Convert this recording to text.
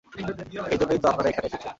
এই জন্যই তো আপনারা এখানে এসেছেন।